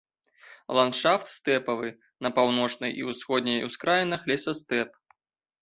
Ландшафт стэпавы, на паўночнай і ўсходняй ускраінах лесастэп.